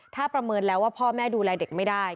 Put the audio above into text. ถ้าประเมินแล้วว่าพ่อแม่ดูแลเด็กไม่ได้